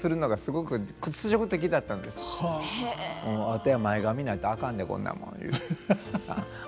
「あては前髪ないとあかんねんこんなもん」